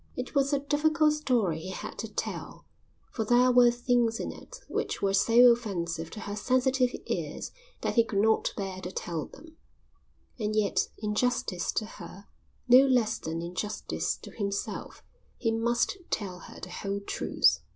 It was a difficult story he had to tell, for there were things in it which were so offensive to her sensitive ears that he could not bear to tell them, and yet in justice to her, no less than in justice to himself, he must tell her the whole truth.